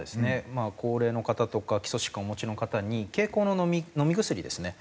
まあ高齢の方とか基礎疾患をお持ちの方に経口の飲み薬ですね。